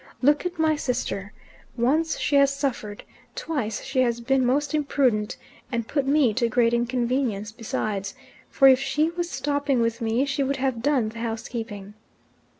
Look at my sister! Once she has suffered, twice she has been most imprudent, and put me to great inconvenience besides, for if she was stopping with me she would have done the housekeeping.